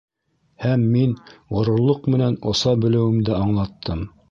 Һәм мин ғорурлыҡ менән оса белеүемде аңлаттым.